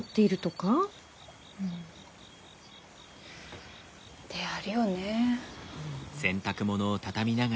うんであるよね。